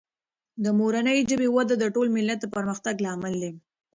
د مورنۍ ژبې وده د ټول ملت د پرمختګ لامل دی.